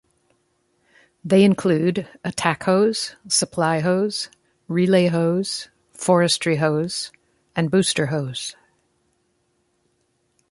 They include attack hose, supply hose, relay hose, forestry hose, and booster hose.